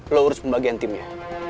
lo urus pembagian timnya